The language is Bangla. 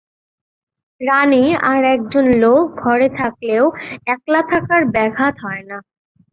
রানী, আর-একজন লোক ঘরে থাকলেও একলা থাকার ব্যাঘাত হয় না।